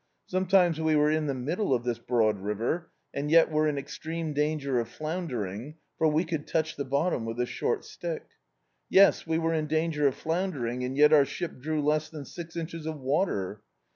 Sometimes we were in the middle of this broad river, and yet were in extreme danger of floundering, for we could touch the bottom with a short stick. Yes, we were in danger of floundering, and yet our ship drew less than six inches of water!